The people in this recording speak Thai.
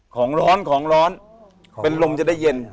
ของร้อนของร้อนเป็นลมจะได้เย็น